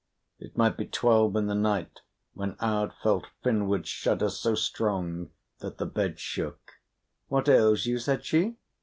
It might be twelve in the night when Aud felt Finnward shudder so strong that the bed shook. "What ails you?" said she.